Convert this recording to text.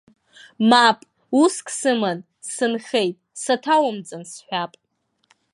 Мап, уск сыман, сынхеит, саҭаумҵан сҳәап.